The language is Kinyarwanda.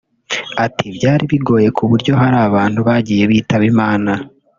Ati “Byari bigoye ku buryo hari abantu bagiye bitaba Imana